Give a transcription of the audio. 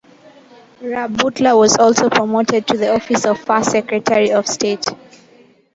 Rab Butler was also promoted to the office of First Secretary of State.